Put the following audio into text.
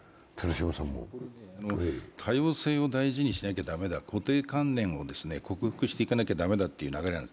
多様性を大事にしなきゃいけないという固定観念を克服していかなきゃいけないという流れなんです。